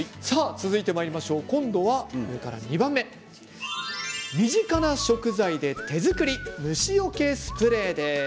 続いて今度は上から２番目身近な食材で手作り虫よけスプレーです。